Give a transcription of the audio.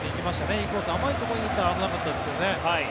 インコース甘いところに行ったら危なかったですけどね。